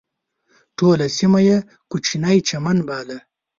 ټوله سیمه یې کوچنی چمن باله.